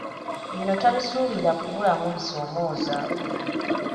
Bino tabisuubira kubulamu bisoomooza.